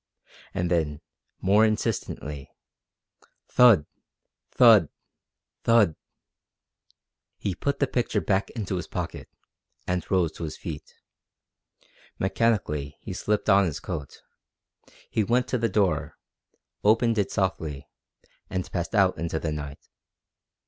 And then, more insistently: Thud! Thud! Thud! He put the picture back into his pocket, and rose to his feet. Mechanically he slipped on his coat. He went to the door, opened it softly, and passed out into the night.